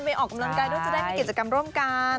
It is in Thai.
ออกกำลังกายด้วยจะได้มีกิจกรรมร่วมกัน